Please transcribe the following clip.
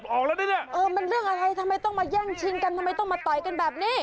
มันเลือกอะไรทำไมต้องมาย่างชิงกันทำไมต้องต่อยกันแบบนี้